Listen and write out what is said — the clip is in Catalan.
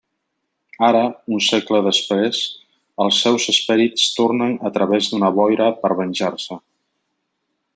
Ara, un segle després, els seus esperits tornen a través d'una boira per venjar-se.